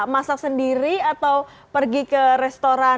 masak sendiri atau pergi ke restoran